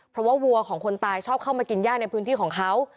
เพราะว่าวัวของคนตายชอบเข้ามากินย่าในพื้นที่ของเขา